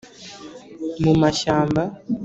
mu mashyamba,